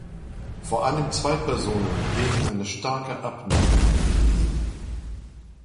Vor allem zwei Personen hegen eine starke Abneigung gegen ihn.